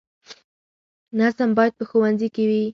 نظم باید په ښوونځي کې وي.